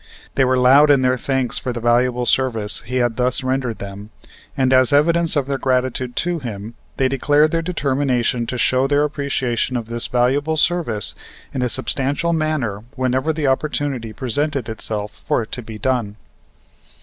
They were loud in their thanks for the valuable service he had thus rendered them and, as evidence of their gratitude to him, they declared their determination to show their appreciation of this valuable service in a substantial manner whenever the opportunity presented itself for it to be done.